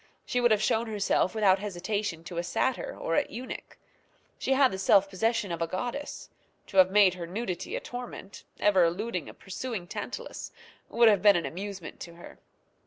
She would have shown herself without hesitation to a satyr or a eunuch. She had the self possession of a goddess. To have made her nudity a torment, ever eluding a pursuing Tantalus, would have been an amusement to her.